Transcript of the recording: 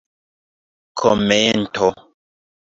komento